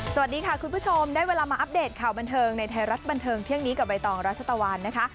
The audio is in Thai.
สวัสดีค่ะคุณผู้ชมได้เวลามาอัปเดตข่าวบันเทิงในไทยรัฐบันเทิงเที่ยงนี้กับใบตองรัชตะวันนะคะ